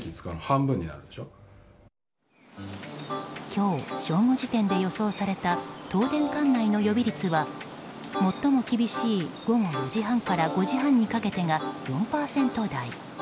今日正午時点で予想された東電管内の予備率は最も厳しい午後４時半から５時半にかけてが４％台。